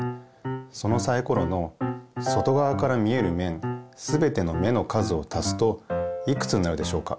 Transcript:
そのサイコロの外側から見えるめんすべての目の数をたすといくつになるでしょうか？